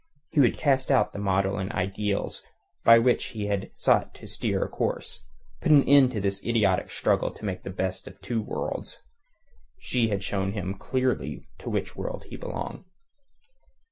He would cast out the maudlin ideals by which he had sought to steer a course; put an end to this idiotic struggle to make the best of two worlds. She had shown him clearly to which world he belonged.